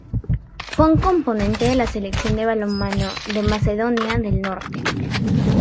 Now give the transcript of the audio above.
Fue un componente de la Selección de balonmano de Macedonia del Norte.